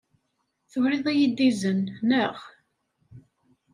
Turiḍ-iyi-d izen, naɣ?